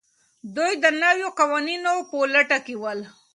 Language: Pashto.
دوی د نویو قوانینو په لټه کې ول.